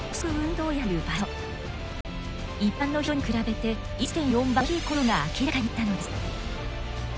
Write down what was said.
一般の人に比べて１．４倍大きいことが明らかになったのです。